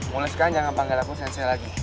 mulai sekarang jangan panggil aku sensei lagi